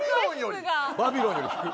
「バビロン」より低い。